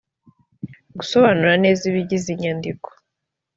gusobanura neza ibigize inyandiko